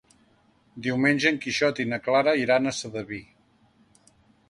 Diumenge en Quixot i na Clara iran a Sedaví.